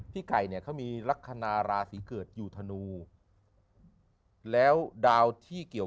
ไก่เนี่ยเขามีลักษณะราศีเกิดอยู่ธนูแล้วดาวที่เกี่ยว